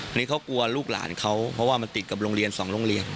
อันนี้เขากลัวลูกหลานเขาเพราะว่ามันติดกับโรงเรียน๒โรงเรียน